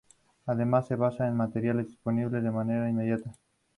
Además, se basa en materiales disponibles de manera inmediata.